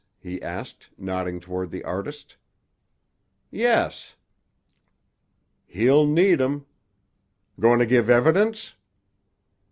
he asked, nodding toward the artist. "Yes." "He'll need 'em. Going to give evidence?"